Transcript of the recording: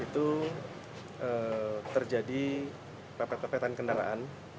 itu terjadi pepet pepetan kendaraan